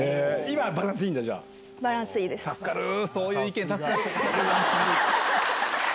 今バランスいいんだ？